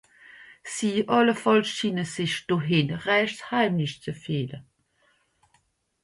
Sie àllefàlls schiine sich do hìnne rächt heimisch ze fìehle.